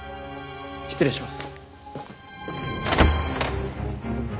失礼します。